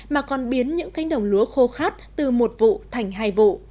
mà còn biến những cánh đồng lúa khô khát từ một vụ thành hai vụ